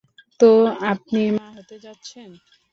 তো আপনি মা হতে যাচ্ছেন।